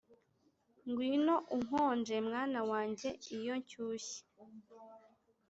ngwino unkonje, mwana wanjye, iyo nshyushye